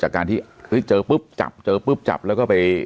จากการที่เจอปุ๊บจับแล้วก็ไป